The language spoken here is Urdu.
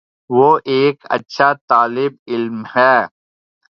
وہ ایک اچھا طالب علم ہے